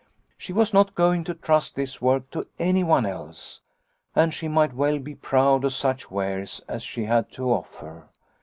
She was not going to trust this work to anyone else. And she might well be proud of such wares as she had to offer.